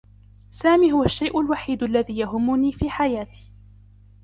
سامي هو الشّيء الوحيد الذي يهمّني في حياتي.